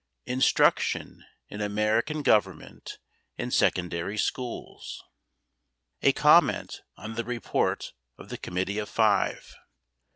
Instruction in American Government in Secondary Schools A COMMENT ON THE REPORT OF THE COMMITTEE OF FIVE.